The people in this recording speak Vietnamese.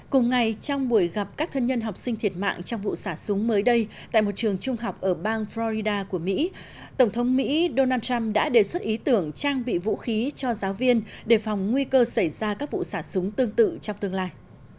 cùng ngày trong buổi gặp các thân nhân học sinh thiệt mạng trong vụ xả súng mới đây tại một trường trung học ở bang florida của mỹ tổng thống mỹ donald trump đã đề xuất ý tưởng trang bị vũ khí cho giáo viên để phòng nguy cơ xảy ra các vụ xả súng tương tự trong tương lai